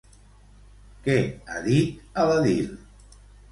Què ha dit a l'edil?